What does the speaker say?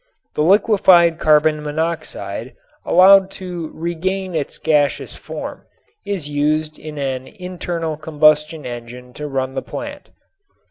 The liquefied carbon monoxide, allowed to regain its gaseous form, is used in an internal combustion engine to run the plant.